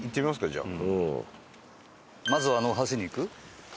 じゃあ。